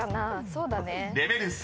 そうだね。